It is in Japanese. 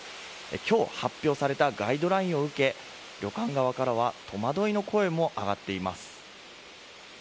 今日発表されたガイドラインを受け旅館側からは戸惑いの声も上がっています。